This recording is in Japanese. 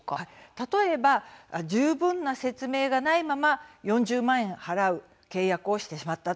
例えば十分な説明がないまま４０万円を払う契約をしてしまった。